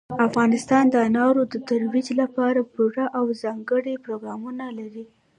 افغانستان د انارو د ترویج لپاره پوره او ځانګړي پروګرامونه لري.